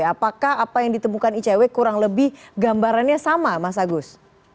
apakah apa yang ditemukan icw kurang lebih gambarannya sama mas agus